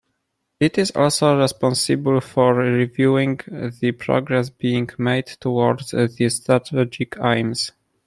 It is also responsible for reviewing the progress being made towards the strategic aims.